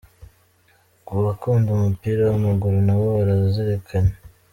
Ku bakunda umupira w'amaguru nabo barazirikanywe.